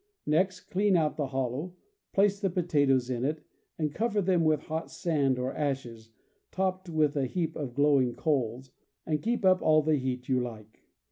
Next, clean out the hollow, place the potatoes in it, and cover them with hot sand or ashes, topped with a heap of glowing coals, and keep up all the heat you like.